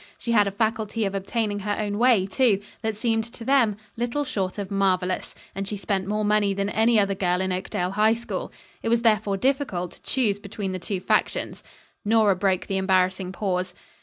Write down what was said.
She had a faculty of obtaining her own way, too, that seemed, to them, little short of marvellous, and she spent more money than any other girl in Oakdale High School. It was therefore difficult to choose between the two factions. Nora broke the embarrassing pause.